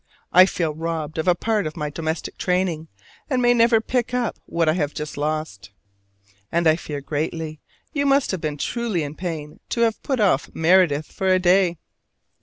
I feel robbed of a part of my domestic training, and may never pick up what I have just lost. And I fear greatly you must have been truly in pain to have put off Meredith for a day.